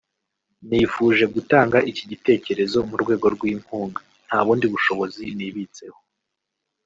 nifuje gutanga iki gitekerezo mu rwego rw’inkunga (nta bundi bushobozi nibitseho